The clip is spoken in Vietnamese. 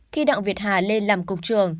khi đặng việt hà lên làm cục trường